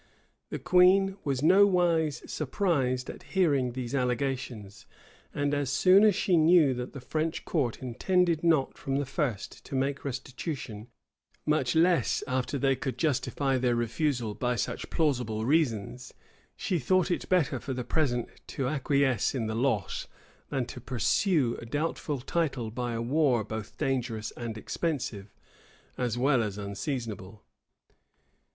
[*] The queen was nowise surprised at hearing these allegations; and as she knew that the French court intended not from the first to make restitution, much less after they could justify their refusal by such plausible reasons, she thought it better for the present to acquiesce in the loss, than to pursue a doubtful title by a war both dangerous and expensive, as well as unseasonable.[] * Haynes, p. 587. Camden, p. 406.